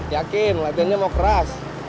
yakin latihannya mau keras